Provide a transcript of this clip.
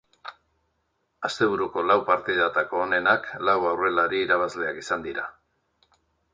Asteburuko lau partidatako onenak lau aurrelari irabazleak izan dira.